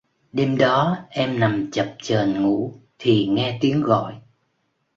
Đêm đó em nằm chập chờn ngủ thì nghe tiếng gọi